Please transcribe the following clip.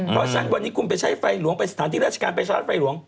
เพราะฉะนั้นวันนี้คุณไปใช้ไฟหลวงไปสถานที่ราชการไฟฟ้าไฟหลวง